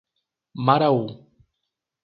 Maraú